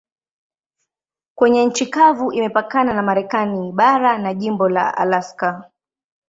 Kwenye nchi kavu imepakana na Marekani bara na jimbo la Alaska.